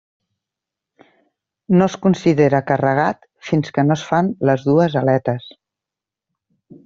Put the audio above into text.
No es considera carregat fins que no es fan les dues aletes.